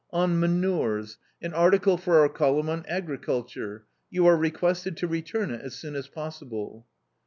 " On manures, an article for our column on agriculture. You are requested to return it as soon as possible."